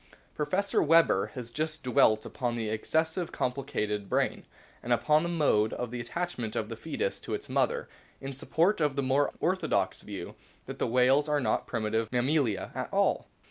Professor Weber has justly dwelt upon the ex cessively complicated brain, and upon the mode of the attachment of the fcetus to its mother, in support of the more orthodox view that the whales are not primitive Mammalia at all.